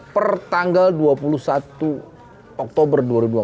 pertanggal dua puluh satu oktober dua ribu empat